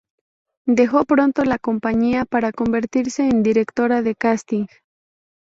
Dejó pronto la compañía para convertirse en directora de casting.